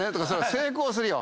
成功するよ。